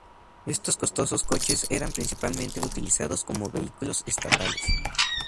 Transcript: Estos costosos coches eran principalmente utilizados como vehículos estatales.